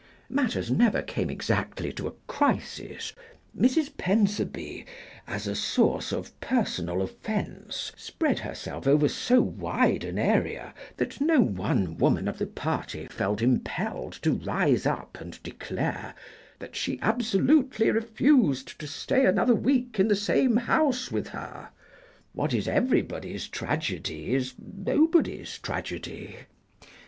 Matters never came exactly to a crisis. Mrs. Pentherby, as a source of personal offence, spread herself over so wide an area that no one woman of the party felt impelled to rise up and declare that she absolutely refused to stay another week in the same house with her. What is everybody's tragedy is nobody's tragedy.